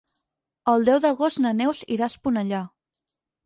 El deu d'agost na Neus irà a Esponellà.